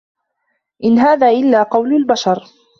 إِن هذا إِلّا قَولُ البَشَرِ